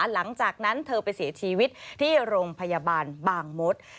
หลังจากนั้นเธอไปเสียชีวิตที่โรงพยาบาลบางมศ